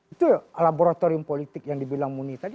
itu laboratorium politik yang dibilang muni tadi